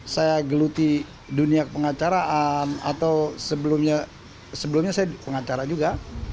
saya geluti dunia pengacaraan atau sebelumnya saya pengacara juga